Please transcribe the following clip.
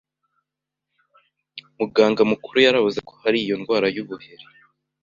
muganga mukuru yaravuze ko hari iyo ndwara y'ubuheri